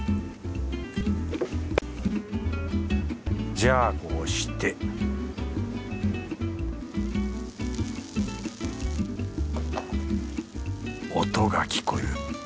じゃあこうして音が聞こえる。